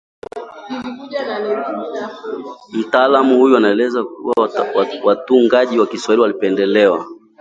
Mtaalamu huyu anaeleza kuwa watungaji wa Kiswahili walipendelea